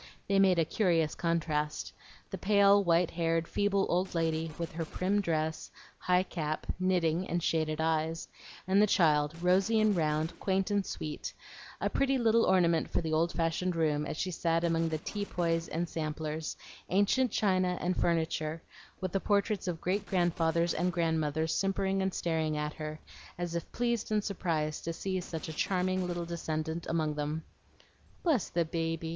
They made a curious contrast, the pale, white haired, feeble old lady, with her prim dress, high cap, knitting, and shaded eyes; and the child, rosy and round, quaint and sweet, a pretty little ornament for the old fashioned room, as she sat among the tea poys and samplers, ancient china and furniture, with the portraits of great grandfathers and grandmothers simpering and staring at her, as if pleased and surprised to see such a charming little descendant among them. "Bless the baby!